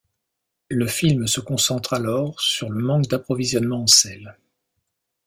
Le film se concentre alors sur le manque d'approvisionnement en sel.